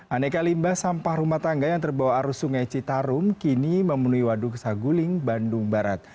aneka limbah sampah rumah tangga yang terbawa arus sungai citarum kini memenuhi waduk saguling bandung barat